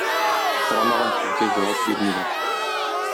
сорамаган сүзгә җавап бирмиләр.